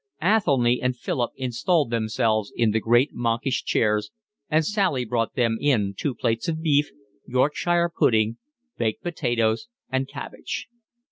Athelny and Philip installed themselves in the great monkish chairs, and Sally brought them in two plates of beef, Yorkshire pudding, baked potatoes, and cabbage.